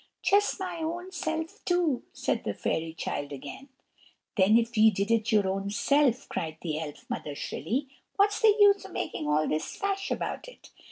"Just my own self too!" said the fairy child again. "Then if ye did it your own self," cried the elf mother shrilly, "what's the use o' making all this fash about it?"